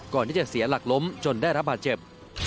ก่อนที่จะเสียหลักล้มจนได้รับบาดเจ็บ